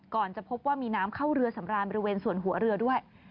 จะพบว่ามีน้ำเข้าเรือสำราญบริเวณส่วนหัวเรือด้วย